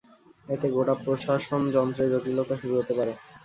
এতে গোটা প্রশাসনযন্ত্রে জটিলতা শুরু হতে পারে।